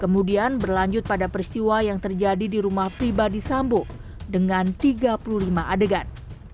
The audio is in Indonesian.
kemudian berlanjut pada peristiwa yang terjadi di rumah pribadi sambo dengan tiga puluh lima adegan